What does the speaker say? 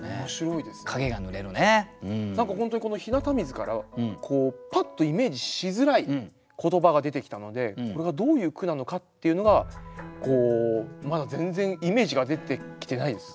何か本当にこの「日向水」からパッとイメージしづらい言葉が出てきたのでこれがどういう句なのかっていうのがまだ全然イメージが出てきてないです。